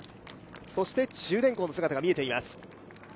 そして中電工の姿が見えています。